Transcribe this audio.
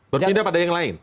berpindah pada yang lain